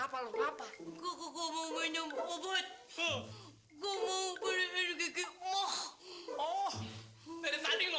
bapakku dia bilang aku memang manis